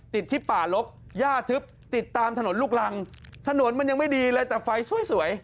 ติดที่ป่าลกย่าทึบติดตามถนนลูกรังถนนมันยังไม่ดีเลยแต่ไฟสวย